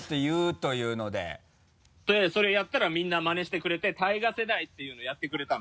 とりあえずそれやったらみんなマネしてくれて「ＴＡＩＧＡ世代」っていうのやってくれたの。